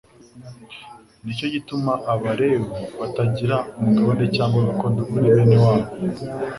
«Nicyo gituma abalewi batagira umugabane cyangwa gakondo muri bene wabo;